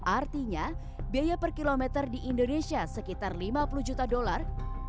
artinya biaya per kilometer di indonesia sekitar lima puluh juta dolar